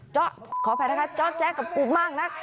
จ๊อขออภัยนะคะจ๊อจแจ๊กกับกูมากนะ